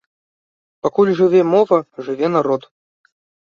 Пакуль жыве мова, жыве народ.